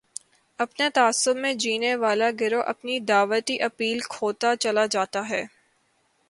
اپنے تعصب میں جینے والا گروہ اپنی دعوتی اپیل کھوتا چلا جاتا ہے۔